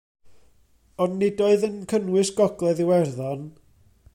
Ond, nid oedd yn cynnwys Gogledd Iwerddon.